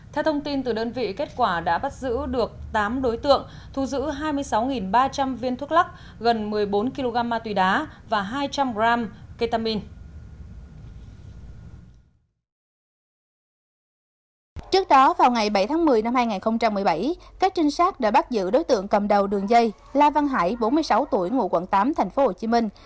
theo thông tin từ đơn vị kết quả đã bắt giữ được tám đối tượng thu giữ hai mươi sáu ba trăm linh viên thuốc lắc